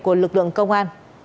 của lực lượng công an